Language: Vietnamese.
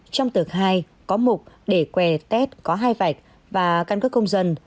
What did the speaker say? trong tờ khai có mục để que test có hai bạch và căn cấp công dân